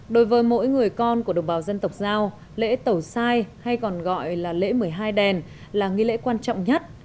đối với mỗi người con của đồng bào dân tộc giao lễ tẩu sai hay còn gọi là lễ một mươi hai đèn là nghi lễ quan trọng nhất